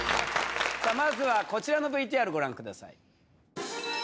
まずはこちらのＶＴＲご覧ください